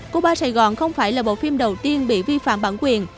cô ba sài gòn không phải là bộ phim đầu tiên bị vi phạm bản quyền